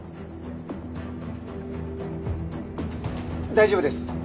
大丈夫です。